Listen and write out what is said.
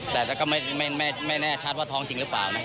แต่ก็ไม่แน่ชัดว่าท้องจริงหรือเปล่านะ